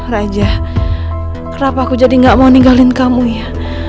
raja kenapa aku jadi gak mau ninggalin kamu ya